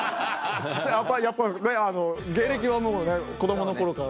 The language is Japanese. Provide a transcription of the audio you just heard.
やっぱりね芸歴はもうね子どもの頃から。